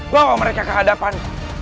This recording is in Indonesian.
bawa mereka ke hadapan